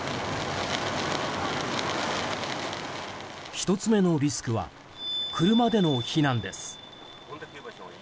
１つ目のリスクは車での避難です。